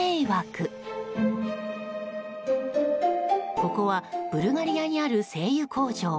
ここはブルガリアにある精油工場。